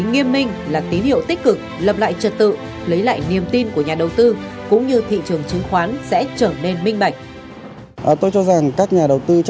nghiêm minh là tín hiệu tích cực lập lại trật tự lấy lại niềm tin của nhà đầu tư cũng như thị trường chứng khoán sẽ trở nên minh bạch